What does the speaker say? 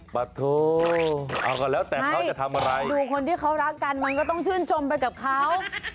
ปะโถเอาก็แล้วแต่เขาจะทำอะไรดูคนที่เขารักกันมันก็ต้องชื่นชมไปกับเขา